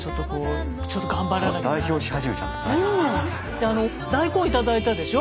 であの大根頂いたでしょ？